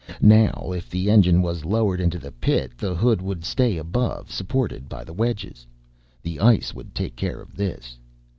Now, if the engine was lowered into the pit, the hood would stay above supported by the wedges. The ice would take care of this.